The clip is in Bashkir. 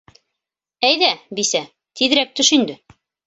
— Әйҙә, бисә, тиҙерәк төш инде.